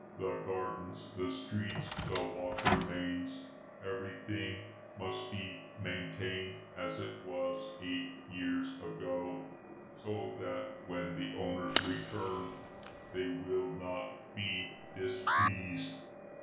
The gardens, the streets, the water mains, everything must be maintained as it was eight years ago, so that when the owners return, they will not be displeased.